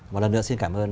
một lần nữa xin cảm ơn